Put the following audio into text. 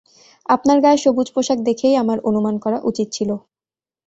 আপনার গায়ের সবুজ পোশাক দেখেই আমার অনুমান করা উচিত ছিল।